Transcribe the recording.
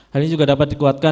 hal ini juga dapat dikuatkan